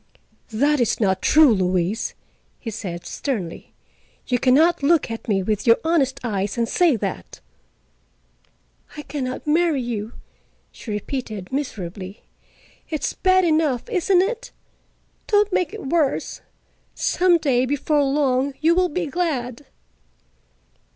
"That is not true, Louise," he said sternly. "You can not look at me with your honest eyes and say that." "I can not marry you," she repeated miserably. "It's bad enough, isn't it? Don't make it worse. Some day, before long, you will be glad."